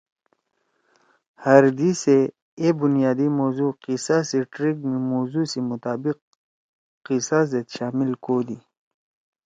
ہر دی سے اے بنیادی موضوع قصہ سی ٹریک می موضوع سی مطابق قصہ زید شامل کودی۔